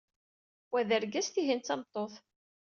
Wa d argaz, tihin d tameṭṭut.